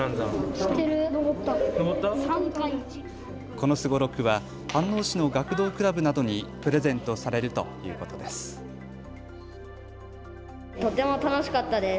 このすごろくは飯能市の学童クラブなどにプレゼントされるということです。